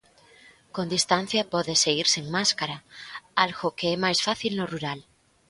Con distancia pódese ir sen máscara, algo que é máis fácil no rural.